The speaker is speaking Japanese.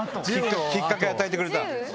きっかけ与えてくれた。